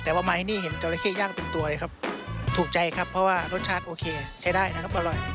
แต่ว่ามาที่นี่เห็นจราเข้ย่างเป็นตัวเลยครับถูกใจครับเพราะว่ารสชาติโอเคใช้ได้นะครับอร่อย